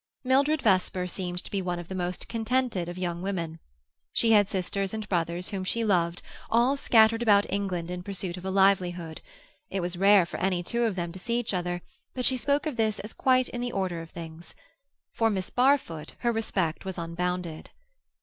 Mildred Vesper seemed to be one of the most contented of young women. She had sisters and brothers, whom she loved, all scattered about England in pursuit of a livelihood; it was rare for any two of them to see each other, but she spoke of this as quite in the order of things. For Miss Barfoot her respect was unbounded.